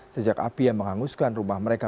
sejak api yang menghanguskan rumah mereka